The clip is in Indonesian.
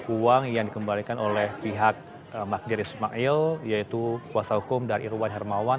uang yang dikembalikan oleh pihak magdir ismail yaitu kuasa hukum dari irwan hermawan